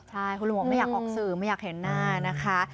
ใช่คุณลุงบอกไม่อยากออกสื่อไม่อยากเห็นหน้านะคะ